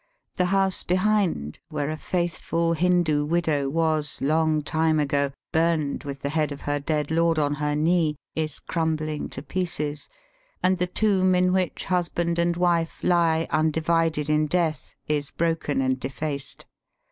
The house behind, where a faithful Hindoo widow was, long time ago, burned with the head of her dead lord on her knee, is crumbling to pieces, and the tomb in which husband and wife Ke undivided in death is broken and defaced.